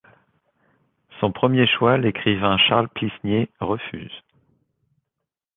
Son premier choix, l'écrivain Charles Plisnier, refuse.